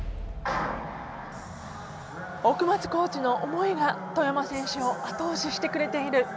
奥松コーチの思いが外山選手を後押ししてくれている。